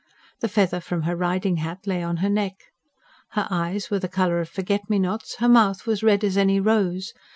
The feather from her riding hat lay on her neck. Her eyes were the colour of forget me nots, her mouth was red as any rose.